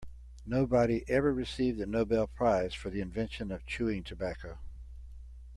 Nobody ever received the Nobel prize for the invention of chewing tobacco.